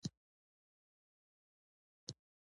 د تهمت پروا مې نشته زما جانانه